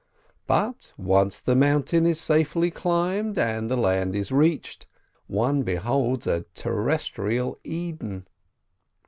But once the mountain is safely climbed, and the land is reached, one beholds a terrestrial Eden.